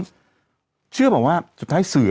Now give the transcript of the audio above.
เชื่อหรือเปล่าว่าสุดท้ายสื่อ